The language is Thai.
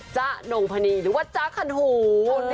ะนงพนีหรือว่าจ๊ะคันหู